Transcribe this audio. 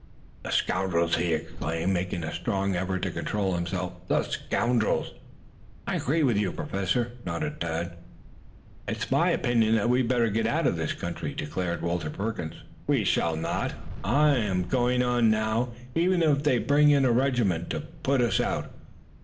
"The scoundrels!" he exclaimed, making a strong effort to control himself. "The scoundrels!" "I agree with you, Professor," nodded Tad. "It's my opinion that we had better get out of this country," declared Walter Perkins. "We shall not. I am going on now, even if they bring in a regiment to put us out!"